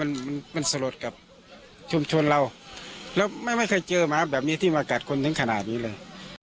มันมันสลดกับชุมชนเราแล้วไม่ไม่เคยเจอหมาแบบนี้ที่มากัดคนถึงขนาดนี้เลย